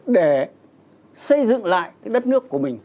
để xây dựng lại đất nước của mình